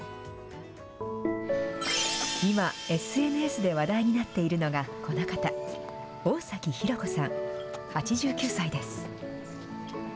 今、ＳＮＳで話題になっているのが、この方、大崎博子さん８９歳です。